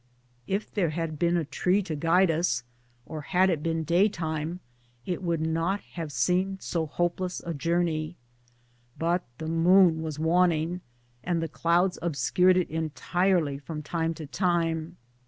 If there had been a tree to guide us, or had it been daytime, it would not have seemed so hopeless a journey. The moon was waning, and the clouds ob scured it entirely from time to time.